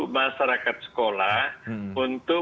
masyarakat sekolah untuk